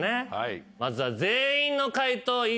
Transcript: まずは。